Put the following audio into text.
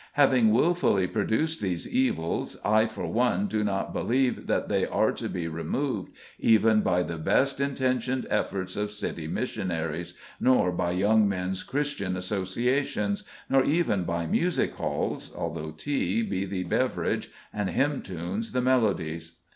Having wilfully produced these evils, I for one do not believe that they are to be removed even by the best intentioned efforts of city missionaries, nor by young men's Christian associations, nor even by music halls, though tea be the beverage and hymn tunes the melodies.